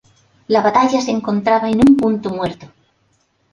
La batalla se encontraba en un punto muerto.